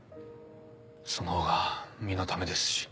その方が身のためですし。